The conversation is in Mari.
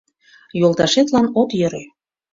Йолташетлан от йӧрӧ.